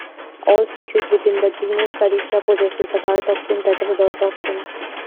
All species within the genus "Taricha" possess the biotoxin tetrodotoxin.